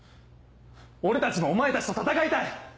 俺たちもお前たちと戦いたい！